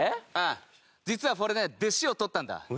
ああ実はフォレね弟子を取ったんだ。